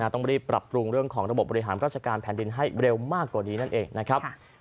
ต้องรีบปรับปรุงเรื่องของระบบบริหารราชการแผ่นดินให้เร็วมากกว่านี้นั่นเองนะครับ